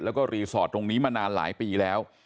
แล้วก็รีสอร์ทตรงนี้มานานหลายปีแล้ว